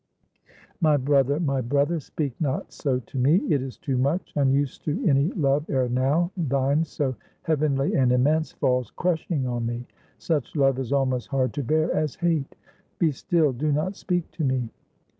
"My brother, my brother, speak not so to me; it is too much; unused to any love ere now, thine, so heavenly and immense, falls crushing on me! Such love is almost hard to bear as hate. Be still; do not speak to me."